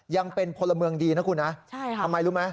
ยังเป็นพลเมืองดีนะคุณนะทำไมรู้ไหม